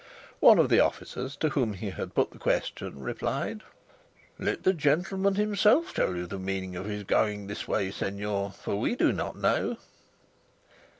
One of the officers to whom he had put the question, replied, "Let the gentleman himself tell you the meaning of his going this way, señor, for we do not know."